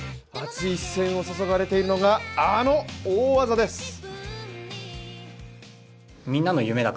熱い視線が注がれているのが、あの大技です。